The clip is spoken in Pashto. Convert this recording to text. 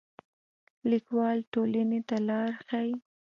لیکوال ټولنې ته لار ښيي